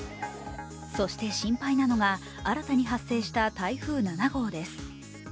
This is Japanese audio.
そして心配なのが新たに発生した台風７号です。